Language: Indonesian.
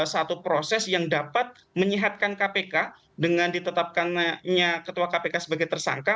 satu proses yang dapat menyehatkan kpk dengan ditetapkannya ketua kpk sebagai tersangka